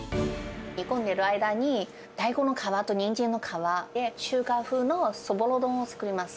煮込んでいる間に、大根の皮とニンジンの皮で、中華風のそぼろ丼を作ります。